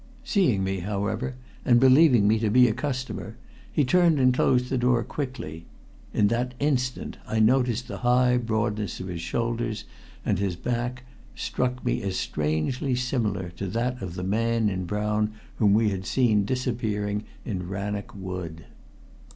Seeing me, however, and believing me to be a customer, he turned and closed the door quickly. In that instant I noticed the high broadness of his shoulders, and his back struck me as strangely similar to that of the man in brown whom we had seen disappearing in Rannoch Wood.